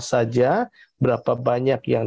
saja berapa banyak yang